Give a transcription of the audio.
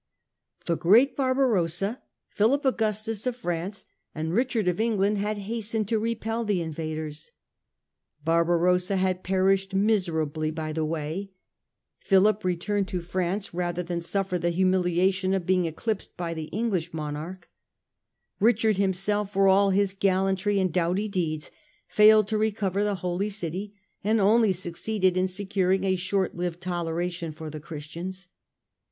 The great Barbarossa, Philip Augustus of France and Richard of England had hastened to repel the invaders. Barbarossa had perished miserably by the way : Philip returned to France rather than suffer the humiliation of being eclipsed by the English monarch : Richard himself, for all his gallantry and doughty deeds, failed to recover the Holy City and only succeeded in securing a short lived toleration for the Christians.